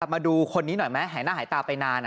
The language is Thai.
มาดูคนนี้หน่อยไหมหายหน้าหายตาไปนาน